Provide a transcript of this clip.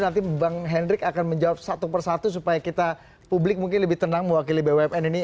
nanti bang hendrik akan menjawab satu persatu supaya kita publik mungkin lebih tenang mewakili bumn ini